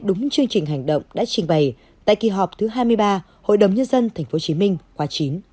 đúng chương trình hành động đã trình bày tại kỳ họp thứ hai mươi ba hội đồng nhân dân tp hcm khóa chín